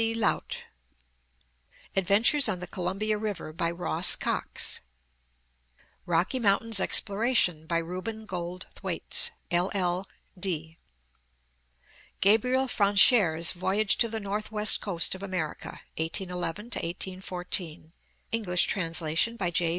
C. Laut; Adventures on the Columbia River, by Ross Cox; Rocky Mountains Exploration, by Reuben Gold Thwaites, LL. D. ; Gabriel Franchere 's Voyage to the Northwest Coast of America, 1811 1814; (English translation by J.